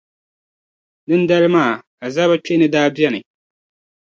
Dindali maa, azaaba kpeeni daa beni.